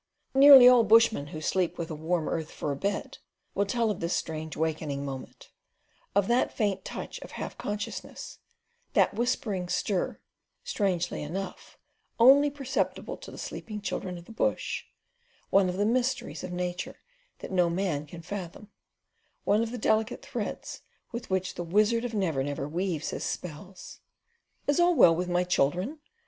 Nearly all bushmen who sleep with the warm earth for a bed will tell of this strange wakening moment, of that faint touch of half consciousness, that whispering stir, strangely enough, only perceptible to the sleeping children of the bush one of the mysteries of nature that no man can fathom, one of the delicate threads with which the Wizard of Never Never weaves his spells. "Is all well my children?"